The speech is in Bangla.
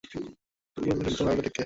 মুখোশধারী ওই নতুন আগন্তুকটি কে?